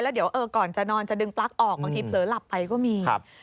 เดี๋ยวก่อนจะนอนจะดึงปลั๊กออกบางทีเผลอหลับไปก็มี